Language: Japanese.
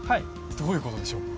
どういう事でしょう？